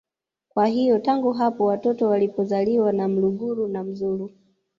Kwa hiyo tangu hapo watoto walipozaliwa na mluguru na mzulu